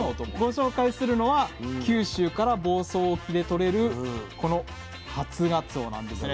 ご紹介するのは九州から房総沖で取れるこの初がつおなんですね。